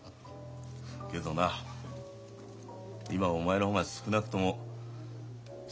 けどな今はお前の方が少なくともさみしくはない。